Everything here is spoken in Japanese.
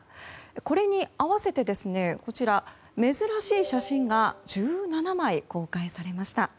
これに合わせて、珍しい写真が１７枚公開されました。